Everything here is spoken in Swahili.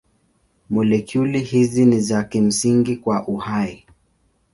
Molekuli hizi ni za kimsingi kwa uhai.